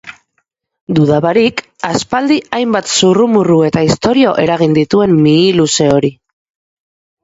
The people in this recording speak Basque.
Duda barik, aspaldi hainbat zurrumurru eta istorio eragin dituen mihi luze hori.